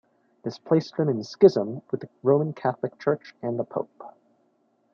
This placed them in schism with the Roman Catholic Church and the Pope.